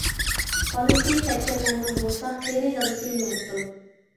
بالىسى كەتكەنلەرنىڭ بولسا قېرى دادىسى مېڭىپتۇ.